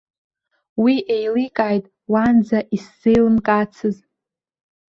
Уи еиликааит уаанӡа изеилымкаацыз.